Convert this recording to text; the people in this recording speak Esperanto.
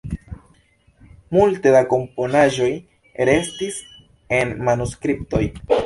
Multe da komponaĵoj restis en manuskriptoj.